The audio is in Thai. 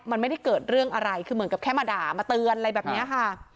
มันไม่ได้เกิดเรื่องอะไรคือเหมือนกับแค่มาด่ามาเตือนอะไรแบบนี้ค่ะ